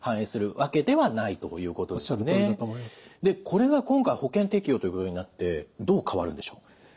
これが今回保険適用ということになってどう変わるんでしょう？